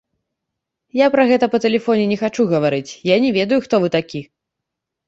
Я пра гэта па тэлефоне не хачу гаварыць, я не ведаю, хто вы такі.